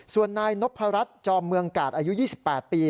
ส่วนนายนพรัชจอมเมืองกาศอายุ๒๘ปี